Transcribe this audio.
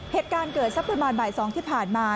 เหตุการณ์เกิดสักประมาณบ่าย๒ที่ผ่านมา